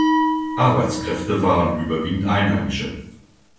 Arbeitskräfte waren überwiegend Einheimische.